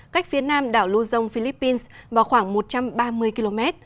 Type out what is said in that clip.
cách phía nam đảo luzon philippines vào khoảng một trăm ba mươi km